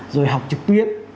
rồi học trực tuyến